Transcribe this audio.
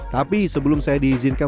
tapi sebelum saya diizinkan